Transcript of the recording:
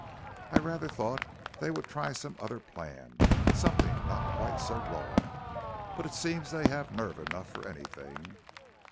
"I rather thought they would try some other plan something not quite so raw. But it seems they have nerve enough for anything.